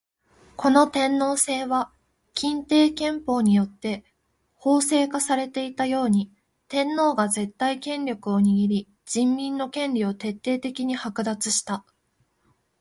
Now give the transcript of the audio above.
この天皇制は欽定憲法によって法制化されていたように、天皇が絶対権力を握り人民の権利を徹底的に剥奪した。